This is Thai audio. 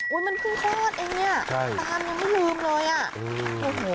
มันเพิ่งคลอดเองเนี่ยใช่ตานยังไม่ลืมเลยอ่ะโอ้โห